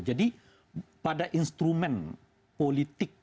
jadi pada instrumen politik